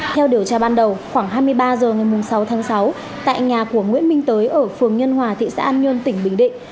theo điều tra ban đầu khoảng hai mươi ba h ngày sáu tháng sáu tại nhà của nguyễn minh tới ở phường nhân hòa thị xã an nhơn tỉnh bình định